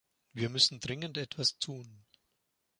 Wir müssen dringend etwas tun.